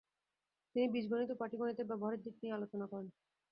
তিনি বীজগণিত ও পাটিগণিতের ব্যবহারিক দিক নিয়ে আলোচনা করেন।